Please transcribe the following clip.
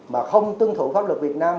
mà không tương thủ pháp luật việt nam